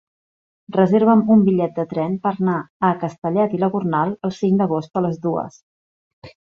Reserva'm un bitllet de tren per anar a Castellet i la Gornal el cinc d'agost a les dues.